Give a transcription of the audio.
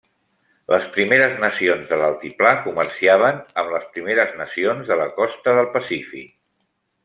Les Primeres Nacions de l'Altiplà comerciaven amb les Primeres Nacions de la Costa del Pacífic.